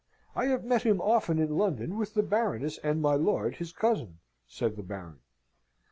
I have met him often in London with the Baroness and my lord, his cousin," said the Baron.